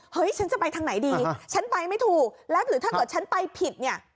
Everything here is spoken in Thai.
ฉันจะไปทางไหนดีฉันไปไม่ถูกแล้วหรือถ้าเกิดฉันไปผิดเนี่ย